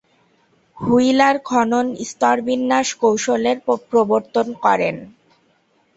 Wheeler খনন স্তরবিন্যাস কৌশলের প্রবর্তন করেন।